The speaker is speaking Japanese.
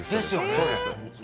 そうです。